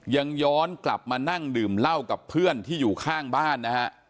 ยังย้อนกลับมานั่งดื่มเหล้ากับเพื่อนที่อยู่ข้างบ้านนะฮะ